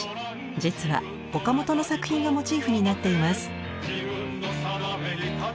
実は岡本の作品がモチーフになっています。